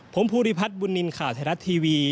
ผมภูริพัฒน์บุญนินทร์ข่าวไทยรัฐทีวี